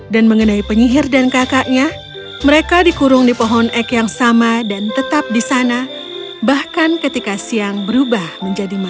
mengenai penyihir dan kakaknya mereka dikurung di pohon ek yang sama dan tetap di sana bahkan ketika siang berubah menjadi malam